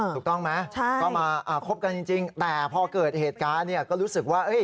ถูกต้องไหมก็มาคบกันจริงแต่พอเกิดเหตุการณ์เนี่ยก็รู้สึกว่า